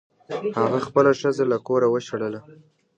هغه خپله ښځه له کوره وشړله.